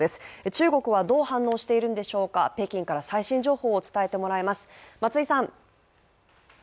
中国はどう反応しているんでしょうか、北京から最新情報を伝えてもらいます。